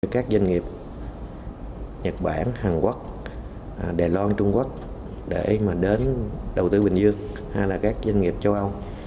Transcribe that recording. các doanh nghiệp nhật bản hàn quốc đài loan trung quốc để mà đến đầu tư bình dương hay là các doanh nghiệp châu âu